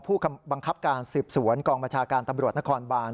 ผู้บังคับการสืบสวนกองบัญชาการตำรวจนครบาน